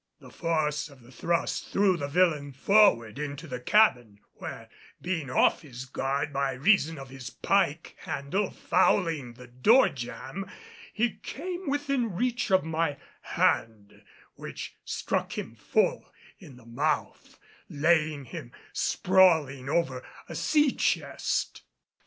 The force of the thrust threw the villain forward into the cabin, where, being off his guard by reason of his pike handle fouling the doorjamb, he came within reach of my hand, which struck him full in the mouth, laying him sprawling over a sea chest.